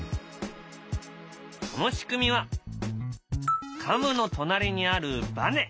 その仕組みはカムの隣にあるばね。